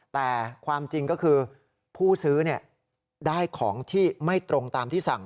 แต่ความจริงก็คือผู้ซื้อได้ของที่ไม่ตรงตามที่สั่ง